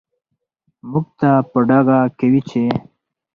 موږ ته په ډاګه کوي چې